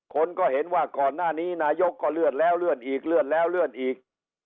คนก็เห็นว่าก่อนหน้านี้นายกก็เลื่อนแล้วเลื่อนอีกเลื่อนแล้วเลื่อนอีก